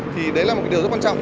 thì đấy là một điều rất quan trọng